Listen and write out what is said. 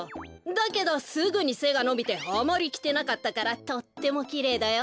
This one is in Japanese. だけどすぐにせがのびてあまりきてなかったからとってもきれいだよ。